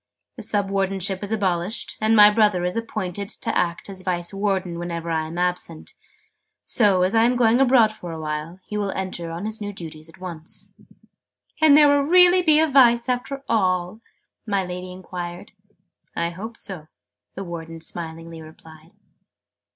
"The Sub Wardenship is abolished, and my brother is appointed to act as Vice Warden whenever I am absent. So, as I am going abroad for a while, he will enter on his new duties at once." "And there will really be a Vice after all?" my Lady enquired. "I hope so!" the Warden smilingly replied.